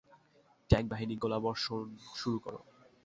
Tank বাহিনী, গোলাবর্ষণ শুরু কর!